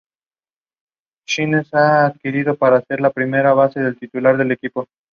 La grabación fue dirigida por Mike Ribas en Buenos Aires.